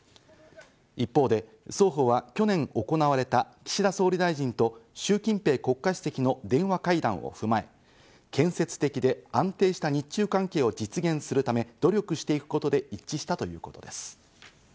一方で双方は去年行われた岸田総理大臣とシュウ・キンペイ国家主席の電話会談を踏まえ、建設的で安定した日中関係を実現するため、努力していくことで一致したということです。